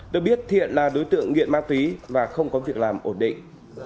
được biết thiện là đối tượng nghiện ma túy và không có việc làm ổn định